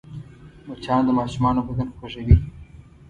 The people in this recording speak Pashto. مچان د ماشومانو بدن خوږوي